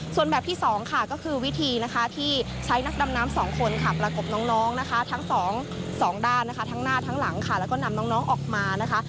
ส่วนแบบที่สองค่ะก็คือวิธีนะคะที่ใช้นักดำน้ำสองคนค่ะประกบน้องนะคะทั้งสองด้านนะคะทั้งหน้าทั้งหลังค่ะแล้วก็นำน้องออกมานะคะ